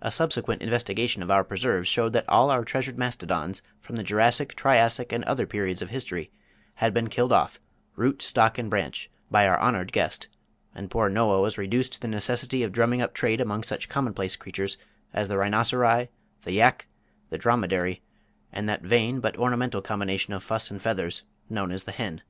A subsequent investigation of our preserves showed that all our treasured mastodons from the Jurassic, Triassic, and other periods of history, had been killed off, root, stock and branch, by our honored guest, and poor Noah was reduced to the necessity of drumming up trade among such commonplace creatures as the Rhinoceri, the Yak, the Dromedary, and that vain but ornamental combination of fuss and feathers known as the Hen.